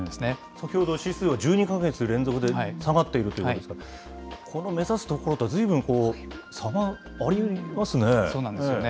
先ほど、指数は１２か月連続で下がっているということですが、この目指すところとは、ずいぶん差がありますね。